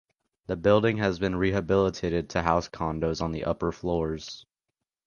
The building has been rehabilitated to house condos on the upper floors.